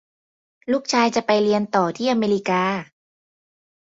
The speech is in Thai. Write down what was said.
ลูกชายจะไปเรียนต่อที่อเมริกา